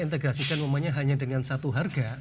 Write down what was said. integrasikan umumnya hanya dengan satu harga